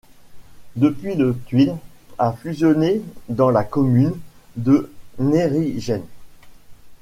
Depuis le Tuil a fusionné dans la commune de Neerijnen.